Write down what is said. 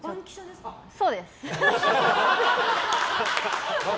そうです。